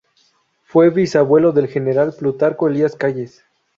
Fue bisabuelo del general Plutarco Elías Calles.